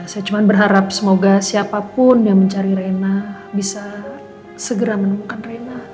saya cuma berharap semoga siapapun yang mencari reina bisa segera menemukan reina